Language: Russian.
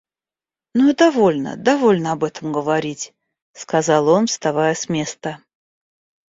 Ну и довольно, довольно об этом говорить, — сказал он, вставая с места.